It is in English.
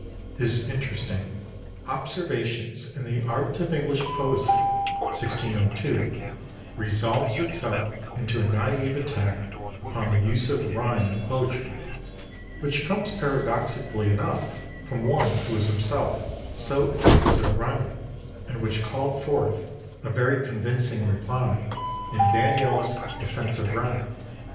His interesting 'Observations in the Art of English Poesie' (1602) resolves itself into a naive attack upon the use of rhyme in poetry, which comes paradoxically enough from one who was himself so exquisite a rhymer, and which called forth a very convincing reply in Daniel's 'Defence of Rhyme.'